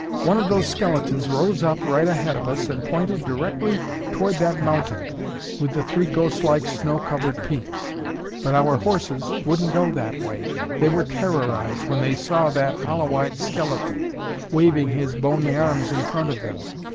One of those skeletons rose up right ahead of us and pointed directly toward that mountain with the three ghost like snow covered peaks. But our horses wouldn't go that way, they were terrorized when they saw that hollow eyed skeleton, waving his bony arms in front of them.